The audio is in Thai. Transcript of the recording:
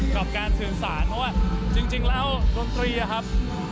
กับการสื่อสารเพราะว่าจริงแล้วดนตรีอะครับ